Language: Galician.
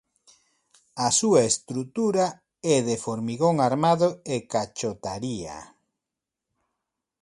A súa estrutura é de formigón armado e cachotaría.